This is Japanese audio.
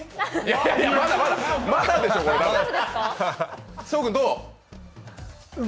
まだでしょう。